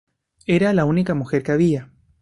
Era la única mujer que había.